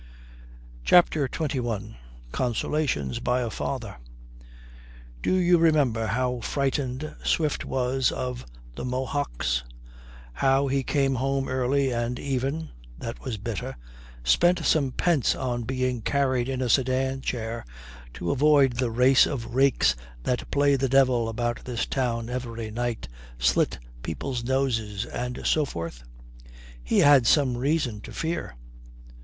CHAPTER XXI CONSOLATIONS BY A FATHER Do you remember how frightened Swift was of the Mohocks? How he came home early, and even (that was bitter) spent some pence on being carried in a sedan chair to avoid the "race of rakes that play the devil about this town every night, slit people's noses," and so forth? He had some reason to fear.